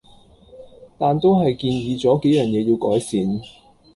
但都係建議左幾樣野要改善